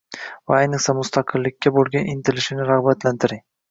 va ayniqsa, mustaqillikka bo‘lgan intilishini rag‘batlantiring.